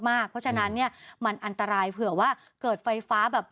เพราะฉะนั้นมันอันตรายเผื่อว่าเกิดไฟฟ้า